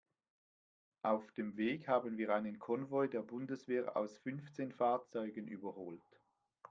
Auf dem Weg haben wir einen Konvoi der Bundeswehr aus fünfzehn Fahrzeugen überholt.